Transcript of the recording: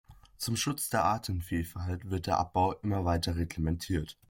Zum Schutz der Artenvielfalt wird der Abbau immer weiter reglementiert.